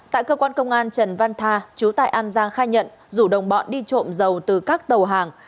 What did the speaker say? tại cơ quan công an trần văn tha chú tại an giang khai nhận dù đồng bọn đi trộm dầu từ các tàu hàng